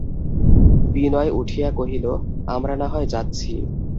বিনয় উঠিয়া কহিল, আমরা নাহয় যাচ্ছি।